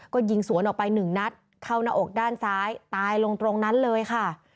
ก็ยิงสวนออกไปหนึ่งนัดเข้าหน้าอกด้านซ้ายตายลงตรงนั้นเลยค่ะ